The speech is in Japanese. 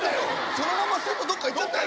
そのままスッとどっか行っちゃったよ。